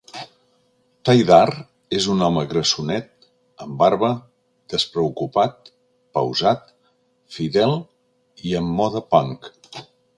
Taidar és un home grassonet, amb barba, despreocupat, pausat, fidel i amb moda punk.